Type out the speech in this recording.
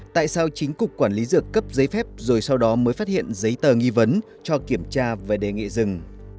tại sao chính cục quản lý dược cấp giấy phép rồi sau đó mới phát hiện giấy tờ nghi vấn cho kiểm tra và đề nghị dừng